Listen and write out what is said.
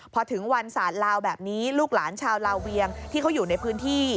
พอถึงวันศาสตร์ลาวแบบนี้ลูกหลานชาวลาเวียงที่เขาอยู่ในพื้นที่